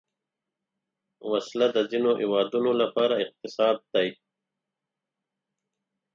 وسله د ځینو هیوادونو لپاره اقتصاد ده